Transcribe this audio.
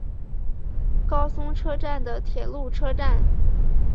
高松车站的铁路车站。